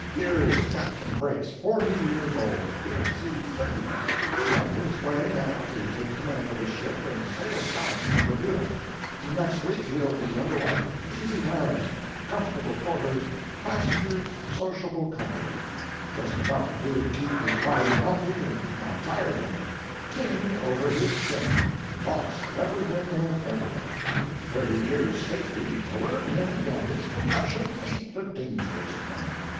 Here is Captain Brace, forty years old, been at sea thirty. On his way now to take command of his ship and sail south from Bermuda. Next week he'll be under way; easy times; comfortable quarters; passengers, sociable company; just enough to do to keep his mind healthy and not tire him; king over his ship, boss of everything and everybody; thirty years' safety to learn him that his profession ain't a dangerous one.